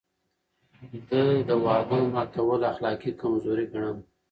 ده د وعدو ماتول اخلاقي کمزوري ګڼله.